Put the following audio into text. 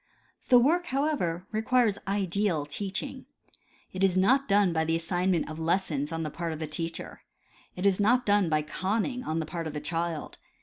The work, however, requires ideal teaching. It is not done by the assignment of lessons on the part of the teacher ; it is not Right Method' of Teaching. 143 done by conninsi; on the part of the child.